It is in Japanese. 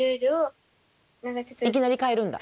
いきなり変えるんだ？